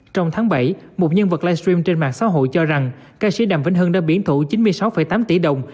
trong tháng bảy một nhân vật live stream trên mạng xã hội cho rằng ca sĩ đàm vĩnh hưng đã biến thủ chín mươi sáu tám tỷ đồng